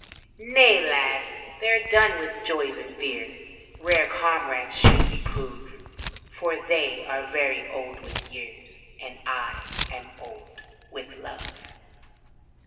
"Nay, Lad, they're done with joys and fears. Rare comrades should we prove, For they are very old with years And I am old with love."